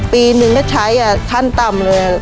ปีหนึ่งก็ใช้ขั้นต่ำเลย